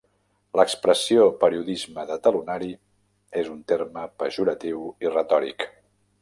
L'expressió "periodisme de talonari" és un terme pejoratiu i retòric.